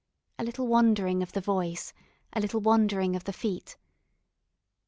A little wandering of the voice, a little wandering of the feet....